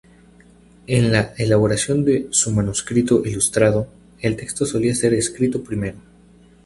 En la elaboración de un manuscrito ilustrado, el texto solía ser escrito primero.